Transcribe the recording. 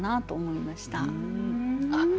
あっ